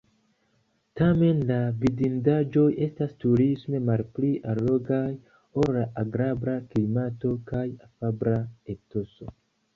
Tamen la vidindaĵoj estas turisme malpli allogaj ol la agrabla klimato kaj afabla etoso.